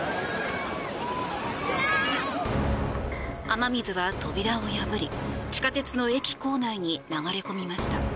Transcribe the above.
雨水は扉を破り地下鉄の駅構内に流れ込みました。